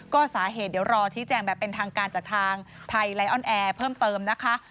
ก็สาเหตุเดี๋ยวรอชี้แจงแบบเป็นทางการจากทางไทยไลออนแอร์เพิ่มเติมนะคะ